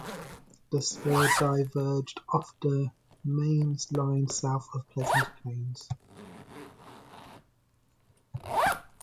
The spur diverged off of the Main Line south of Pleasant Plains.